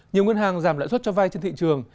nhiều ngân hàng giảm lãi suất cho vay trên thị trường